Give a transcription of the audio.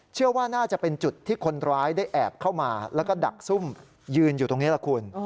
เชื่อว่าน่าจะเป็นจุดที่คนร้ายได้แอบเข้ามาแล้วก็ดักซุ่มยืนอยู่ตรงนี้แหละคุณ